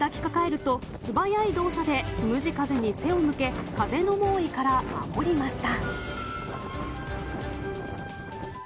少年を抱き抱えると素早い動作でつむじ風に背を向け風の猛威から守りました。